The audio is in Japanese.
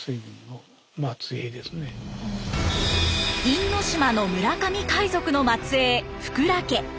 因島の村上海賊の末えい福羅家。